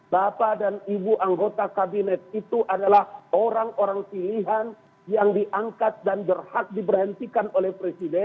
bapak dan ibu anggota kabinet itu adalah orang orang pilihan yang diangkat dan berhak diberhentikan oleh presiden